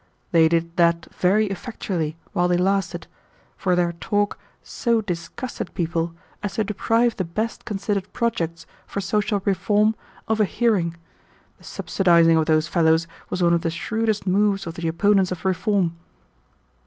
"They did that very effectually while they lasted, for their talk so disgusted people as to deprive the best considered projects for social reform of a hearing. The subsidizing of those fellows was one of the shrewdest moves of the opponents of reform."